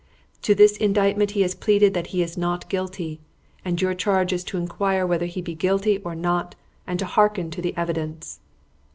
To this indictment he has pleaded that he is not guilty, and your charge is to inquire whether he be guilty or not and to hearken to the evidence."